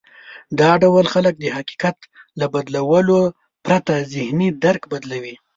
دا ډول خلک د حقيقت له بدلولو پرته ذهني درک بدلوي.